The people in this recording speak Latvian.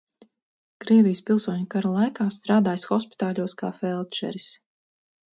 Krievijas pilsoņu kara laikā strādājis hospitāļos kā feldšeris.